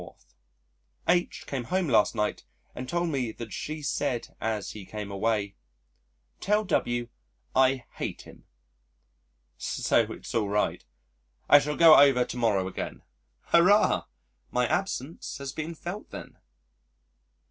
H came home last night and told me that she said as he came away, "Tell W I hate him." So it's all right. I shall go over to morrow again Hurrah! My absence has been felt then.